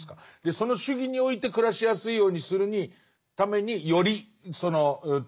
その主義において暮らしやすいようにするためによりその行為をしていく。